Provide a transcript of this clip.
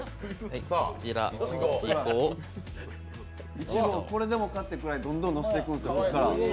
いちごをこれでもかというくらいどんどんのせていくんですよ。